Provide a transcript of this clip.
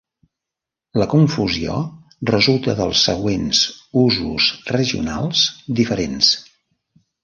La confusió resulta dels següents usos regionals diferents.